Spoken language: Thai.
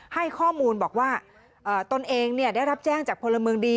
ให้ข้อมูลบอกว่าตนเองได้รับแจ้งจากพลเมืองดี